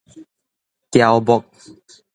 喬木